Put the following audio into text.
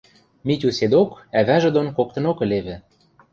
Митю седок ӓвӓжӹ дон коктынок ӹлевӹ.